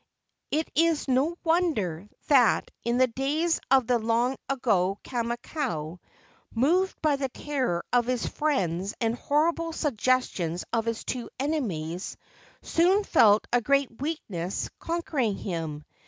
It is no wonder that in the days of the long ago Kamakau, moved by the terror of his friends and horrible suggestions of his two enemies, soon felt a great weakness conquering him.